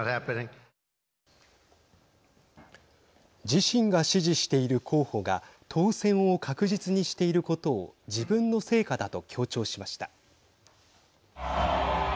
自身が支持している候補が当選を確実にしていることを自分の成果だと強調しました。